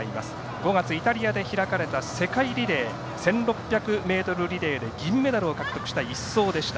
５月、イタリアで開かれた世界リレー１６００ｍリレーで銀メダルを獲得した１走でした。